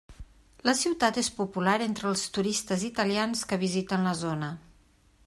La ciutat és popular entre els turistes italians que visiten la zona.